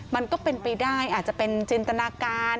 มันก็เป็นไปได้อาจจะเป็นจินตนาการ